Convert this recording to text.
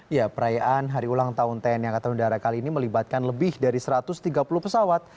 ya perayaan hari ulang tahun tni angkatan udara kali ini melibatkan lebih dari satu ratus tiga puluh pesawat